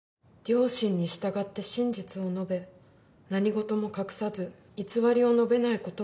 「良心に従って真実を述べ何事も隠さず偽りを述べないことを誓います」